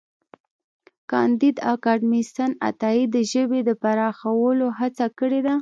کانديد اکاډميسن عطايي د ژبې د پراخولو هڅه کړې ده.